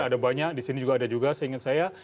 ada banyak di sini juga ada juga seingat saya